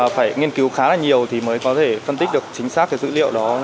phải nghiên cứu khá là nhiều thì mới có thể phân tích được chính xác cái dữ liệu đó